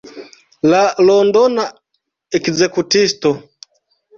La Londona ekzekutisto.